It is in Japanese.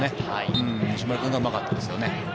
西丸君がうまかったですね。